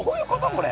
これ。